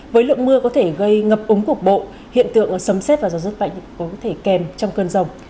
với lượng mưa có thể gây ngập ống cục bộ hiện tượng sấm xét và gió giấc mạnh có thể kèm trong cơn rồng